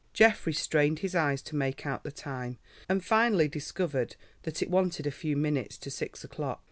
Geoffrey strained his eyes to make out the time, and finally discovered that it wanted a few minutes to six o'clock.